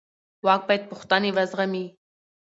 واک باید پوښتنې وزغمي